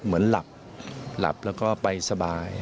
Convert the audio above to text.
เหมือนหลับหลับแล้วก็ไปสบาย